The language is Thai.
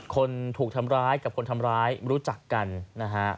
คนถูกทำร้ายกับคนทำร้ายรู้จักกันนะฮะ